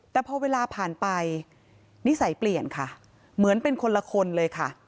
แต่พอเวลาผ่านไปนิสัยเปลี่ยนค่ะเหมือนเป็นคนละคนเลยค่ะ